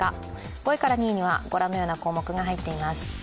５位から２位はご覧のニュースが入っています。